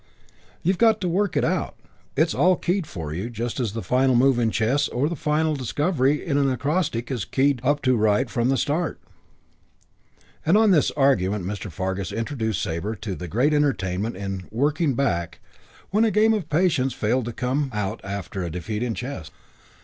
You've got to work it out. It's all keyed for you just as the final move in chess or the final discovery in an acrostic is keyed up to right from the start." And on this argument Mr. Fargus introduced Sabre to the great entertainment in "working back" when a game of Patience failed to come out or after a defeat in chess.